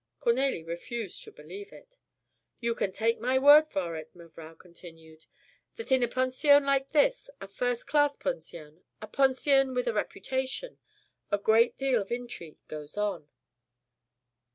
Cornélie refused to believe it. "You can take my word for it," mevrouw continued, "that in a pension like this, a first class pension, a pension with a reputation, a great deal of intrigue goes on."